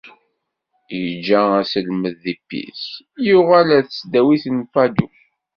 Iǧǧa aselmed di Pise, yuɣal ar tesdawit n Padoue.